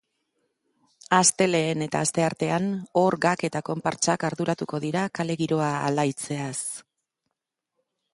Astelehen eta asteartean orgak eta konpartsak arduratuko dira kalekogiroa alaitzeaz.